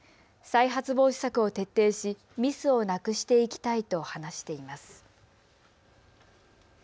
再発防止策を徹底しミスをなくしていきたいと話しています。